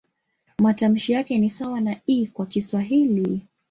Matamshi yake ni sawa na "i" kwa Kiswahili.